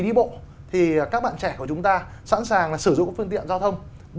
đi bộ thì các bạn trẻ của chúng ta sẵn sàng sử dụng các phương tiện giao thông